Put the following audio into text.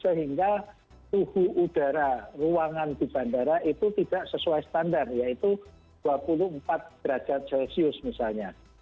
sehingga suhu udara ruangan di bandara itu tidak sesuai standar yaitu dua puluh empat derajat celcius misalnya